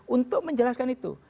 untuk menjelaskan itu